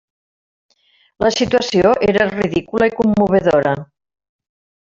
La situació era ridícula i commovedora.